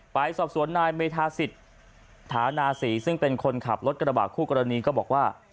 ไปสอบสวนนายเมธาสิทธิ์ฐานาศรีซึ่งเป็นคนขับรถกระบาดคู่กรณีก็บอกว่า